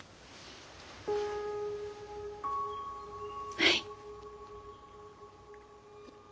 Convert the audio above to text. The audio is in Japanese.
はい。